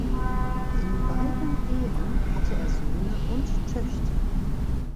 In beiden Ehen hatte er Söhne und Töchter.